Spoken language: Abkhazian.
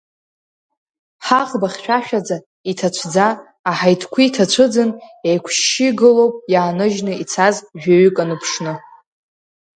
Ҳаӷба хьшәашәаӡа, иҭацәӡа, аҳаиҭқәиҭ ацәыӡын, еиқәшьшьы игылоуп иааныжьны ицаз жәаҩык аныԥшны.